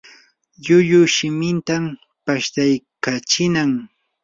lllullu shimintan pashtaykachinnam.